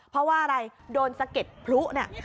เพราะว่าอะไรโดนสะเก็ดพลุเนี่ย